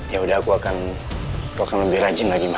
yaudah aku akan lebih rajin lagi ma